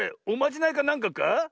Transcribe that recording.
おまじないかなんかか？